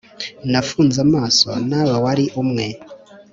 nafunze amaso, nawe wari umwe,